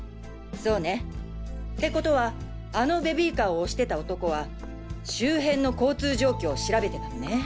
そうね。ってことはあのベビーカーを押してた男は周辺の交通状況を調べてたのね。